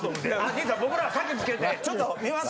「兄さん僕ら先つけてちょっとみます」